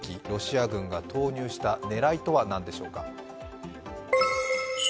ロシア軍が投入した狙いとは何でしょうか。